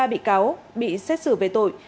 hai mươi ba bị cáo bị xét xử về tội